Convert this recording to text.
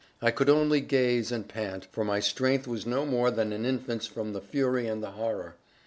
I could only gaze and pant; for my strength was no more than an infant's from the fury and the horror.